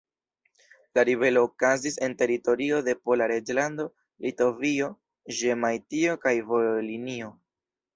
La ribelo okazis en teritorio de Pola Reĝlando, Litovio, Ĵemajtio kaj Volinio.